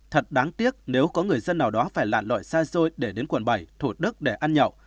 thật đáng tiếc nếu có người dân nào đó phải lạn lội xa xôi để đến quận bảy thủ đức để ăn nhậu